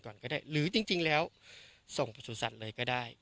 ก่อนก็ได้หรือจริงจริงแล้วส่งไปสู่สัตว์เลยก็ได้